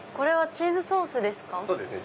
チーズソースです。